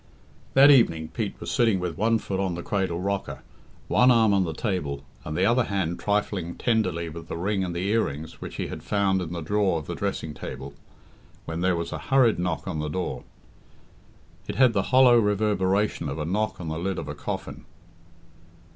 That evening Pete was sitting with one foot on the cradle rocker, one arm on the table, and the other hand trifling tenderly with the ring and the earrings which he had found in the drawer of the dressing table, when there was a hurried knock on the door. It had the hollow reverberation of a knock on the lid of a coffin.